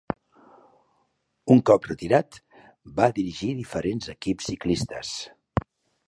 En cop retirat va dirigir diferents equips ciclistes.